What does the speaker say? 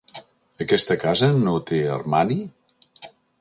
Aquesta casa no té armari?